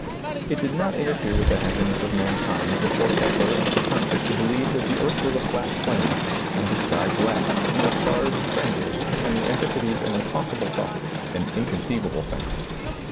It did not interfere with the happiness of mankind before Kepler and Coper nicus to believe that the earth was a flat plane and the sky glass and the stars spangles and the anti podes an impossible thought, an inconceivable thing.